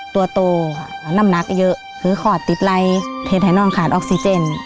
ตัวโตค่ะน้ำหนักเยอะคือขอดติดไรเหตุให้น้องขาดออกซิเจน